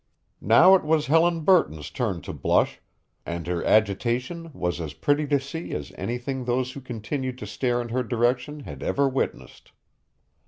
Now it was Helen Burton's turn to blush and her agitation was as pretty to see as anything those who continued to stare in her direction had ever witnessed.